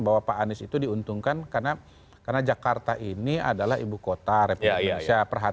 bahwa pak anies itu diuntungkan karena jakarta ini adalah ibu kota republik indonesia